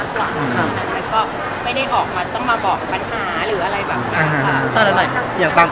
ค่ะแล้วก็ไม่ได้ออกมันต้องมาบอกปัญหาหรืออะไรแบบนี้ค่ะตั้งแต่อะไร